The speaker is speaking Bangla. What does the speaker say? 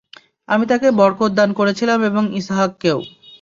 আমি তাঁকে বরকত দান করেছিলাম এবং ইসহাককেও।